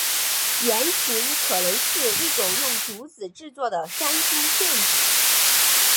原型可能是一种用竹子制作的山猪陷阱。